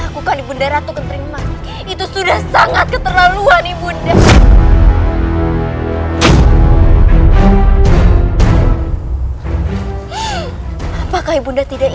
kau terus ela sekarang dutch